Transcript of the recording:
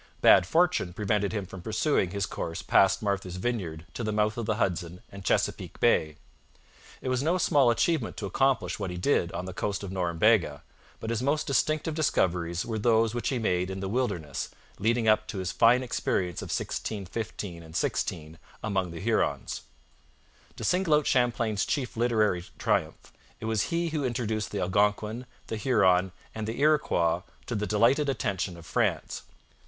Bad fortune prevented him from pursuing his course past Martha's Vineyard to the mouth of the Hudson and Chesapeake Bay. It was no small achievement to accomplish what he did on the coast of Norumbega, but his most distinctive discoveries were those which he made in the wilderness, leading up to his fine experience of 1615 16 among the Hurons. To single out Champlain's chief literary triumph, it was he who introduced the Algonquin, the Huron, and the Iroquois to the delighted attention of France.